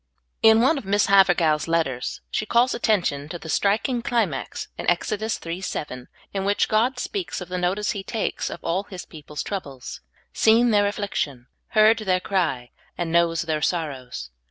IN one of Miss Havergal's letters, she calls attention to the striking climax in Exodus 3: 7, in which God speaks of the notice He takes of all His people's troubles; '* seen their affliction," ''heard their cry," and '' knows their sorrows.